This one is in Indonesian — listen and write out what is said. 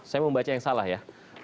saya membaca yang salah ya